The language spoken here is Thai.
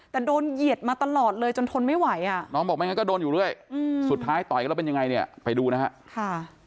แต่โดนเหยียดมาตลอดเลยจนทนไม่ไหวอ่ะน้องบอกไม่งั้นก็โดนอยู่เรื่อยสุดท้ายต่อยกันแล้วเป็นยังไงเนี่ยไปดูนะฮะ